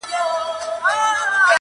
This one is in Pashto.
د عُمر زکندن ته شپې یوه، یوه لېږمه!